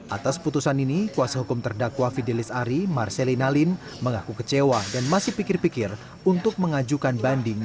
atas putusan ini kuasa hukum terdakwa fidelis ari marcelina lin mengaku kecewa dan masih pikir pikir untuk mengajukan banding